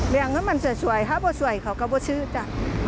เรียงให้มันสวยสวยถ้าไม่สวยเขาก็ไม่ซื้อจ้ะ